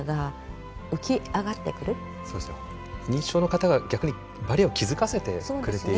認知症の方が逆にバリアを気付かせてくれている面が。